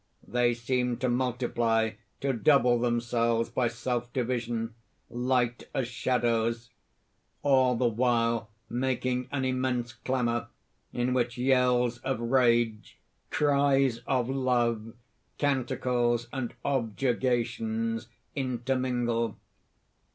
_ _They seem to multiply, to double themselves by self division, light as shadows all the while making an immense clamour, in which yells of rage, cries of love, canticles and objurgations intermingle.